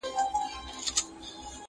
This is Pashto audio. o د زوم خاوره د خسر له سره اخيسته کېږي٫